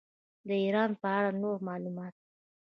د ایران په اړه نور معلومات.